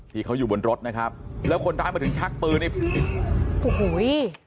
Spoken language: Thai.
ที่เขาอยู่บนรถนะครับแล้วคนร้ายมาถึงชักปืนนี่โอ้โห